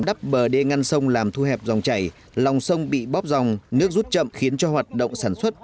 đắp bờ đê ngăn sông làm thu hẹp dòng chảy lòng sông bị bóp dòng nước rút chậm khiến cho hoạt động sản xuất